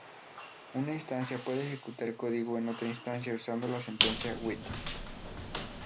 Una instancia puede ejecutar código en otra instancia usando la sentencia "with".